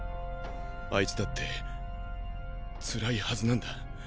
あいつだって辛いはずなんだ。